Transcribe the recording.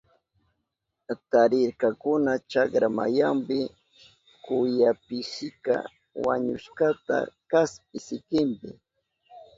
Tarirkakuna chakra mayanpi kuyapisika wañushkata kaspi sikinpi.